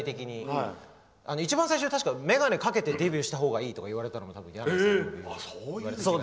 一番最初は確か眼鏡をかけてデビューした方がいいとか言われたのも箭内さんから。